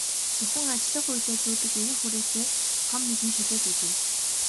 Зөвхөн ажиллах үедээ зүүдэг эвэр хүрээтэй том нүдний шилээ зүүжээ.